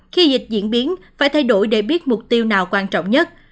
khi dịch diễn biến phải thay đổi để biết mục tiêu nào quan trọng nhất